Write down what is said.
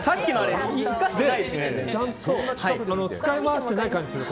ちゃんと使い回してない感じがある。